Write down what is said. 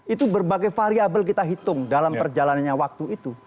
itu berbagai variable kita hitung dalam perjalanannya waktu itu